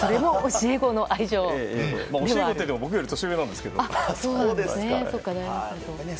教え子といっても僕より年上なんですけどね。